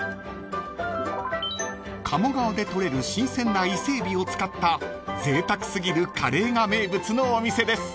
［鴨川で取れる新鮮な伊勢えびを使ったぜいたく過ぎるカレーが名物のお店です］